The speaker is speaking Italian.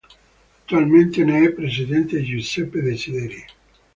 Attualmente ne è presidente Giuseppe Desideri.